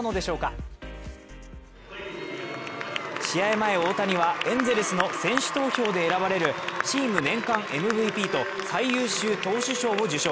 前、大谷はエンゼルスの選手投票で選ばれるチーム年間ＭＶＰと最優秀投手賞を受賞。